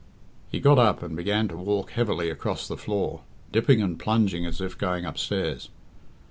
He got up and began to walk heavily across the floor, dipping and plunging as if going upstairs.